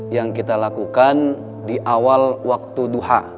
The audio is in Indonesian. yang kita lakukan di awal waktu duha